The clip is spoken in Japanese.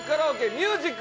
ミュージック。